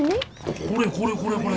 これこれこれこれ。